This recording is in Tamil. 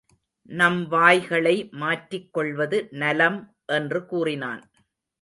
நம்வாய்களை மாற்றிக் கொள்வது நலம் என்று கூறினான்.